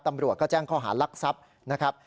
ตำรวจก็แจ้งข้อหารักทรัพย์นะครับ